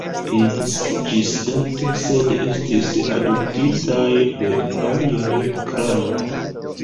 Ili naskiĝis Date, sed estis adoptitaj de aliaj klanoj.